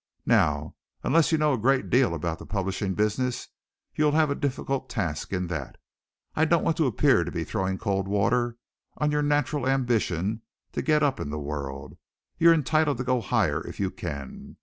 Now, unless you know a great deal about the publishing business, you have a difficult task in that. I don't want to appear to be throwing cold water on your natural ambition to get up in the world. You're entitled to go higher if you can.